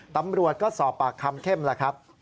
ตำรวจก็สอบปากคำเข้มแล้วครับ